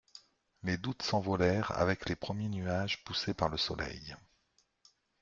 Les doutes s’envolèrent avec les premiers nuages poussés par le soleil.